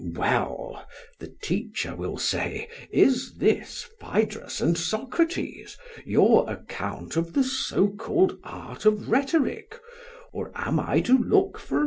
Well, the teacher will say, is this, Phaedrus and Socrates, your account of the so called art of rhetoric, or am I to look for another?